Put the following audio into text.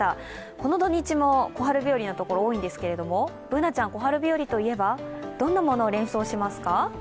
この土日も小春日和の所が多いんですけれども、Ｂｏｏｎａちゃん、小春日和といえばどんなものを連想しますか？